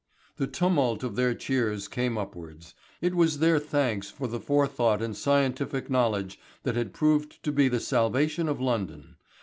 The tumult of their cheers came upwards. It was their thanks for the forethought and scientific knowledge that had proved to be the salvation of London.